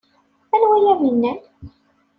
Anwa ay am-yennan?